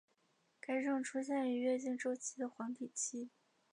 该症出现于月经周期的黄体期。